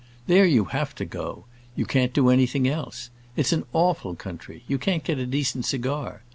There you have to go; you can't do anything else. It's an awful country; you can't get a decent cigar.